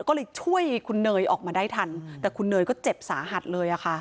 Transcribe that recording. ก็เลยช่วยคุณเนยออกมาได้ทันแต่คุณเนยก็เจ็บสาหัสเลยอะค่ะ